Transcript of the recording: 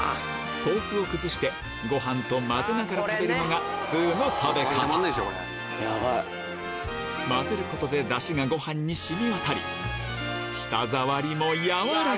豆腐を崩してご飯と混ぜながら食べるのが通の食べ方混ぜることで出汁がご飯に染み渡り